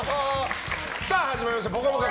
始まりました「ぽかぽか」